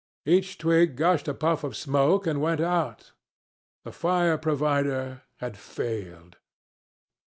Each twig gushed a puff of smoke and went out. The fire provider had failed.